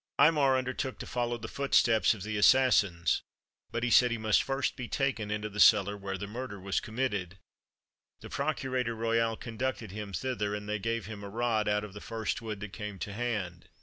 Aymar undertook to follow the footsteps of the assassins, but he said he must first be taken into the cellar where the murder was committed. The procurator royal conducted him thither; and they gave him a rod out of the first wood that came to hand.